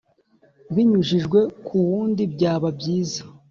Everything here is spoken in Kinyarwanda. binyujijwe ku wundi byaba byiza